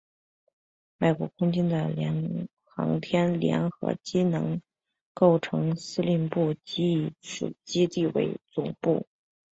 美国空军的航天联合机能构成司令部即以此基地为总部。